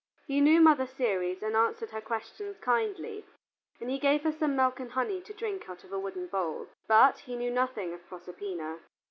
He knew Mother Ceres and answered her questions kindly, and he gave her some milk and honey to drink out of a wooden bowl. But he knew nothing of Proserpina.